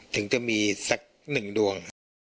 ถึงจะมีสักหนึ่งดวง